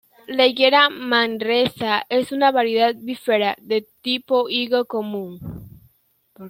La higuera 'Manresa' es una variedad "bífera" de tipo higo común.